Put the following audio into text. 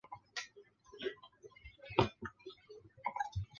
这些皮内成骨以平行方式沿者身体排列。